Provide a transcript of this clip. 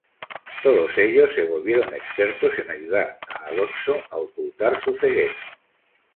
Todos ellos se volvieron expertos en ayudar a Alonso a ocultar su ceguera.